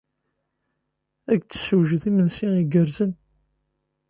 Ad ak-d-tessewjed imensi igerrzen.